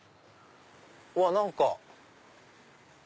うわっ何か。